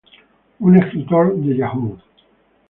Un escritor de Yahoo!